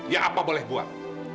ya apa boleh buat